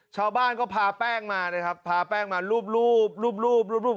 ชาวบ้านก็พาแป้งมานะครับพาแป้งมารูปรูป